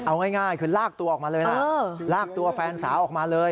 เอาง่ายคือลากตัวออกมาเลยนะลากตัวแฟนสาวออกมาเลย